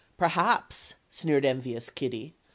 "Perhaps," sneered envious Kitty.